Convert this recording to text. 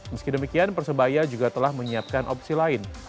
meski demikian persebaya juga telah menyiapkan opsi lain